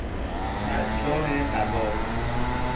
مجرا هوا